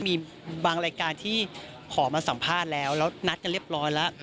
มีบางรายการที่ขอมาสัมภาษณ์แล้วแล้วนัดกันเรียบร้อยแล้ว